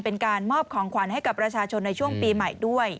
เป็นการมอบของขวัญให้กับประชาชนในช่วงปีใหม่ด้วย